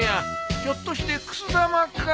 ひょっとしてくす玉か？